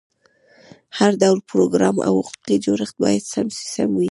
هر ډول پروګرام او حقوقي جوړښت باید سم وي.